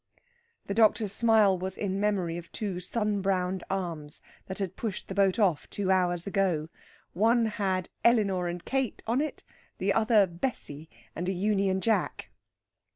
The doctor's smile was in memory of two sun browned arms that had pushed the boat off two hours ago. One had Elinor and Kate on it, the other Bessie and a Union Jack.